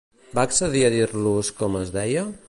Va accedir a dir-los com es deia?